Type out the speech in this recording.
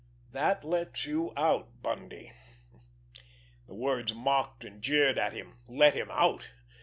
"That lets you out, Bundy." The words mocked and jeered at him. Let him out!